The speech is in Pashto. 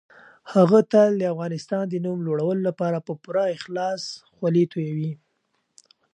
هغه تل د افغانستان د نوم لوړولو لپاره په پوره اخلاص خولې تويوي.